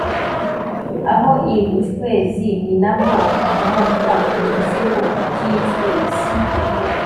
Aho I bucwezi ni na ho hakomoka ibizimu byicwezi